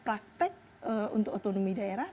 praktek untuk otonomi daerah